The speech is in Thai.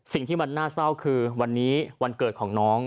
สิ่งที่มันน่าเศร้าคือวันนี้วันเกิดของน้อง